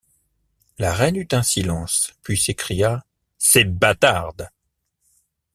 La reine eut un silence, puis s’écria: — Ces bâtardes!